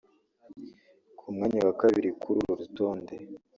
Ku mwanya wa kabiri kuri uru rutonde